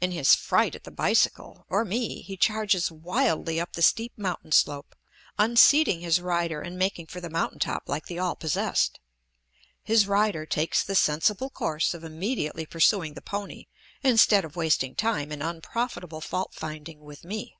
In his fright at the bicycle, or me, he charges wildly up the steep mountain slope, unseating his rider and making for the mountain top like the all possessed. His rider takes the sensible course of immediately pursuing the pony, instead of wasting time in unprofitable fault finding with me.